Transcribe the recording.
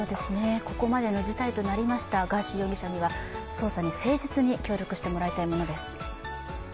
ここまでの事態となりましたガーシー容疑者には捜査に誠実に協力してもらいたいものです。